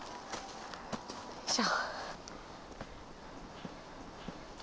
よいしょ。